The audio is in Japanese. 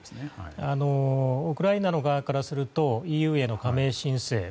ウクライナの側からするとＥＵへの加盟申請